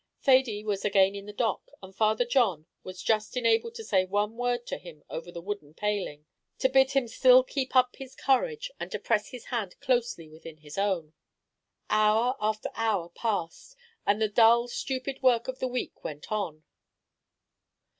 Thady was again in the dock, and Father John was just enabled to say one word to him over the wooden paling; to bid him still keep up his courage, and to press his hand closely within his own. Hour after hour passed on, and the dull stupid work of the week went on.